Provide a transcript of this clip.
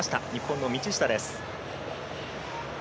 日本の道下です。